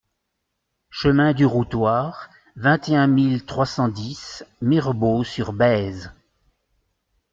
Chemin du Routoir, vingt et un mille trois cent dix Mirebeau-sur-Bèze